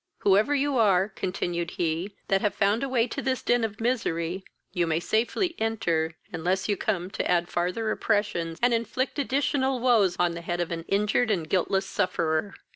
"Whoever you are (continued he) that have found a way to this den of misery, you may safely enter, unless you come to add farther oppressions, and inflict additional woes on the head of an injured and guiltless sufferer.